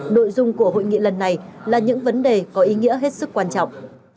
nội dung của hội nghị lần này là những vấn đề có ý nghĩa hết sức quan trọng